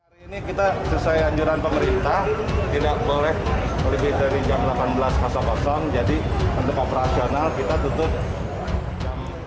hari ini kita sesuai anjuran pemerintah tidak boleh lebih dari jam delapan belas jadi untuk operasional kita tutup jam lima